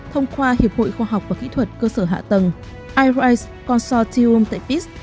thông qua hiệp hội khoa học và kỹ thuật cơ sở hạ tầng irise consortium tại pis